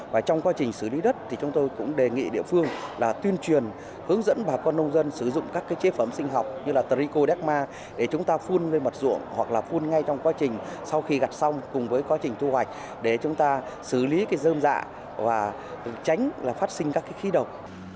và trong quá trình xử lý đất thì chúng tôi cũng đề nghị địa phương là tuyên truyền hướng dẫn bà con nông dân sử dụng các chế phẩm sinh học như là tericodema để chúng ta phun lên mặt ruộng hoặc là phun ngay trong quá trình sau khi gặt xong cùng với quá trình thu hoạch để chúng ta xử lý dơm dạ và tránh phát sinh các khí độc